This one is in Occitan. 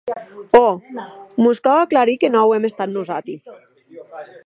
Òc, mos cau aclarir que non auem estat nosati.